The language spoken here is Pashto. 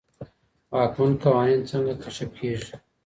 واکمن قوانين څنګه کشف کيږي؟